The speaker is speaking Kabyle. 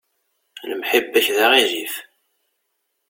Lemḥibba-k d aɣilif.